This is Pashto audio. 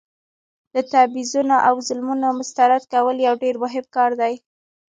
د تبعیضونو او ظلمونو مستند کول یو ډیر مهم کار دی.